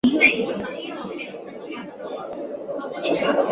该所的校友供职于世界各地的大学。